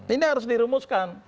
ini harus dirumuskan